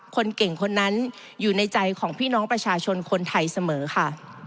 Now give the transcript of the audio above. คนเก่งคนนั้นอยู่ในใจของพี่น้องประชาชนคนไทยเสมอค่ะ